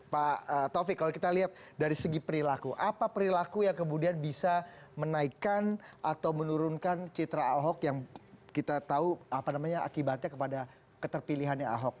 pak taufik kalau kita lihat dari segi perilaku apa perilaku yang kemudian bisa menaikkan atau menurunkan citra ahok yang kita tahu apa namanya akibatnya kepada keterpilihannya ahok